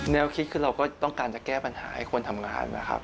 แนวคิดคือเราก็ต้องการจะแก้ปัญหาให้คนทำงานนะครับ